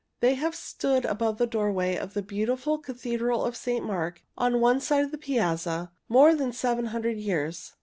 They have stood above the doorway of the beautiful Cathedral of St. Mark, on one side of the piazza, more than seven hundred years.